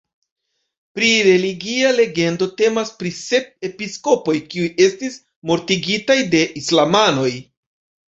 Pli religia legendo temas pri sep episkopoj kiuj estis mortigitaj de islamanoj.